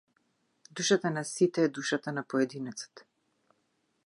Душата на сите е душата на поединецот.